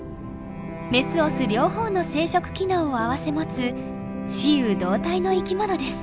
メスオス両方の生殖機能を併せ持つ雌雄同体の生きものです。